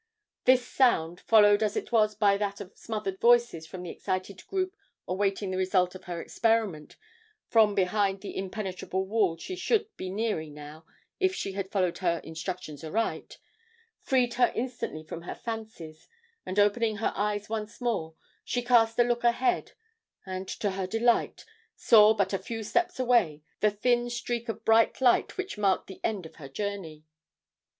This sound, followed as it was by that of smothered voices from the excited group awaiting the result of her experiment from behind the impenetrable wall she should be nearing now if she had followed her instructions aright, freed her instantly from her fancies; and opening her eyes once more, she cast a look ahead, and to her delight, saw but a few steps away, the thin streak of bright light which marked the end of her journey.